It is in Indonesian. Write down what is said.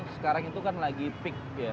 sekarang itu kan lagi peak ya